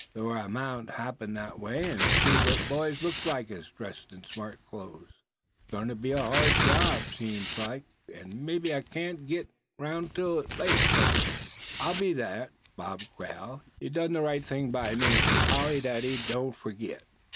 Thort I mout happen thet way, an' see what boys looked like as was dressed in smart close. It's gwine to be a hard job, seems like, an' mebbe I carn't git 'roun' till late, but I'll be thar, Bob Quail! Ye done ther right thing by me, an' Polly Dady don't forgit."